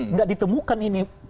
nggak ditemukan ini